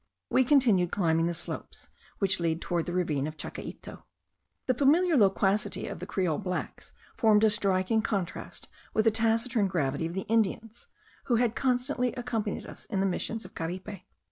We continued climbing the slopes which lead towards the ravine of Chacaito. The familiar loquacity of the Creole blacks formed a striking contrast with the taciturn gravity of the Indians, who had constantly accompanied us in the missions of Caripe.